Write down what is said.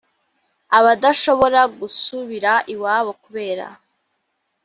abadashobora gusubira iwabo kubera